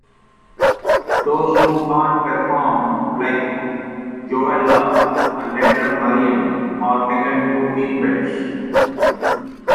Those who can't perform, like Joella, and later Mariam, are taken to be pets.